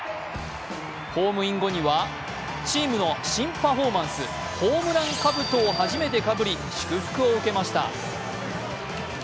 ホームイン後にはチームの新パフォーマンス、ホームランかぶとを初めてかぶり祝福を受けました。